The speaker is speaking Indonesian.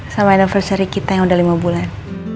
sama innoversary kita yang udah lima bulan